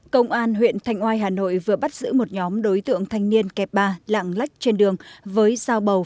công an huyện thành oai hà nội vừa bắt giữ một nhóm đối tượng thanh niên kẹp ba lạng lách trên đường với sao bầu